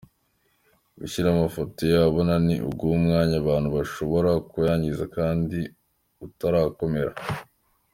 Gushyira amafoto ye ahabona ni uguha umwanya abantu bashobora kuwangiza kandi utarakomera.